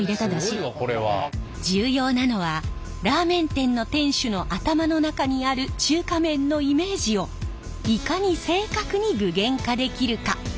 重要なのはラーメン店の店主の頭の中にある中華麺のイメージをいかに正確に具現化できるか。